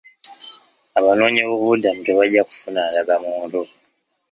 Abanoonyiboobubuddamu tebajja kufuna ndagamuntu.